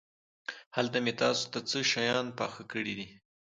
هلته مې تاسو ته څه شيان پاخه کړي دي.